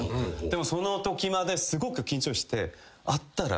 でもそのときまですごく緊張して。